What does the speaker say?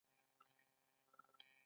پکورې له لاسي چټني سره خوند زیاتوي